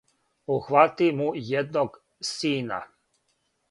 Ухвати му једног сина,